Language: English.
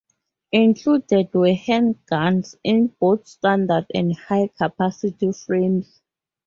Included were handguns in both standard and high-capacity frames.